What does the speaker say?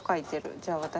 じゃあ私も。